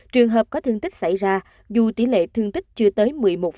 trường hợp có thương tích xảy ra dù tỷ lệ thương tích chưa tới một mươi một